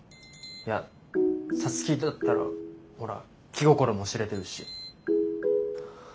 いや皐月だったらほら気心も知れてるし。